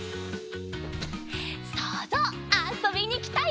そうぞうあそびにきたよ！